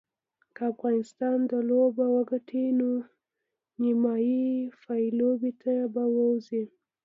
که افغانستان دا لوبه وګټي نو نیمې پایلوبې ته به ووځي